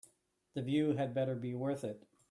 The view had better be worth it.